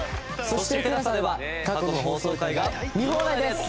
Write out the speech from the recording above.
そしてＴＥＬＡＳＡでは過去の放送回が見放題です！